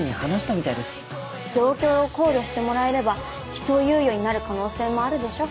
状況を考慮してもらえれば起訴猶予になる可能性もあるでしょ。